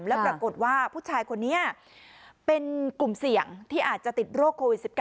แล้วปรากฏว่าผู้ชายคนนี้เป็นกลุ่มเสี่ยงที่อาจจะติดโรคโควิด๑๙